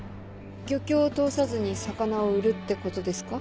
漁協を通さずに魚を売るってことですか？